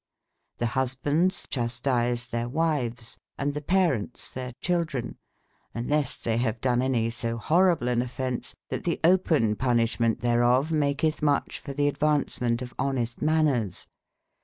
tlhe husbandes chastice theire wy fes :& the parentes theire children, oneles they have done anye so horryble an offense, that the open punyshemente thereof maketh muche f orthe advauncementeof honestemaners.